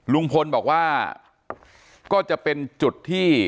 ลุงพลบอกว่าก็จะเป็นจุดที่